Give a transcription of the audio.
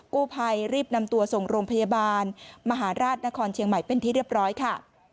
กู้ภัยรีบนำตัวส่งโรงพยาบาลมหาราชนครเชียงใหม่เป็นที่เรียบร้อยค่ะ